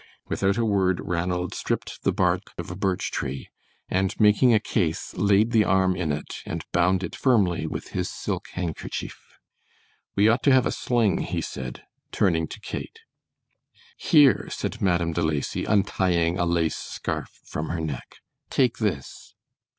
Without a word Ranald stripped the bark of a birch tree, and making a case, laid the arm in it and bound it firmly with his silk handkerchief. "We ought to have a sling," he said, turning to Kate. "Here," said Madame De Lacy, untying a lace scarf from her neck, "take this."